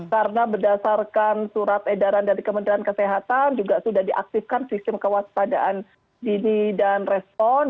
karena berdasarkan surat edaran dari kementerian kesehatan juga sudah diaktifkan sistem kewaspadaan dini dan respon